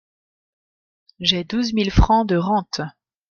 J’ai douze mille francs de rente…